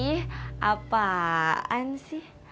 ih apaan sih